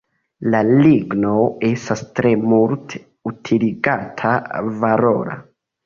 La ligno estas tre multe utiligata, valora.